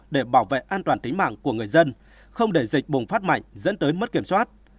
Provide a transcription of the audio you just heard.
để bảo vệ an toàn tính mạng của người dân không để dịch bùng phát mạnh dẫn tới mất kiểm soát